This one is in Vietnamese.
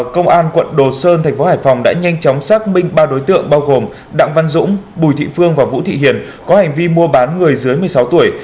công an quận đồ sơn thành phố hải phòng đã nhanh chóng xác minh ba đối tượng bao gồm đặng văn dũng bùi thị phương và vũ thị hiền có hành vi mua bán người dưới một mươi sáu tuổi